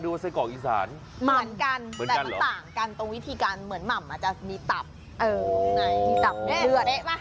นี่ตัวจริงตัวจริงเที่ยวกอาหารอีกสัน